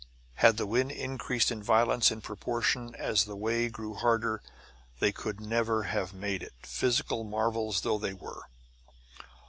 Had the wind increased in violence in proportion as the way grew harder, they could never have made it, physical marvels though they were.